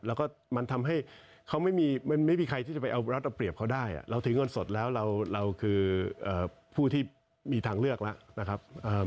แล้วก็มันทำให้เขาไม่มีใครที่จะไปเอารัฐเอาเปรียบเขาได้เราถึงเงินสดแล้วเราคือผู้ที่มีทางเลือกแล้วนะครับ